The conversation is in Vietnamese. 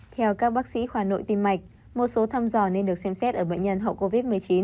theo các bác sĩ khoa nội tim mạch một số thăm dò nên được xem xét ở bệnh nhân hậu covid một mươi chín